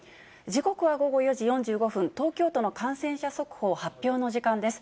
時刻は午後４時４５分、東京都の感染者速報発表の時間です。